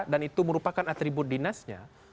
dan itu merupakan atribut dinasnya